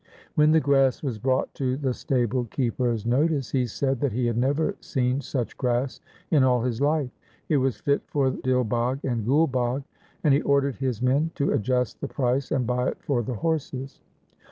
When the grass was brought to the stable keeper's notice, he said that he had never seen such grass in all his life. It was fit for Dil Bagh and Gul Bagh, and he ordered his men to adjust the price and buy it for the horses.